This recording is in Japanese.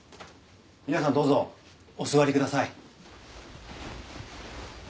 皆さんどうぞお座りください。